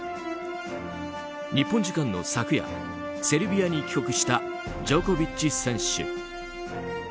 日本時間の昨夜セルビアに帰国したジョコビッチ選手。